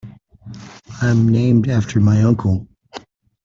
I'm named after my uncle.